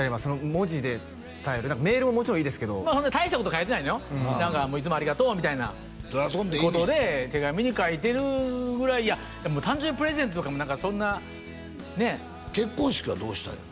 文字で伝えるメールももちろんいいですけど大したこと書いてないのよ「いつもありがとう」みたいなそらそんでいいねやことで手紙に書いてるぐらいいや誕生日プレゼントとかも何かそんなねえ結婚式はどうしたんや？